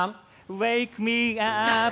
ウェイク・ミー・アップ